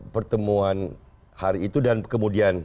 pertemuan hari itu dan kemudian